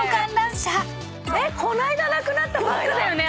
この間なくなったばっかだよね